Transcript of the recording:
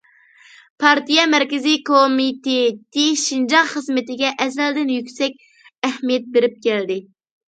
پارتىيە مەركىزىي كومىتېتى شىنجاڭ خىزمىتىگە ئەزەلدىن يۈكسەك ئەھمىيەت بېرىپ كەلدى.